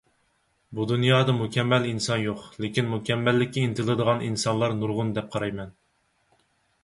بۇ دۇنيادا مۇكەممەل ئىنسان يوق، لېكىن مۇكەممەللىككە ئىنتىلىدىغان ئىنسانلار نۇرغۇن دەپ قارايمەن.